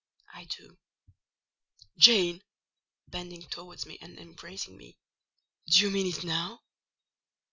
"I do." "Jane" (bending towards and embracing me), "do you mean it now?"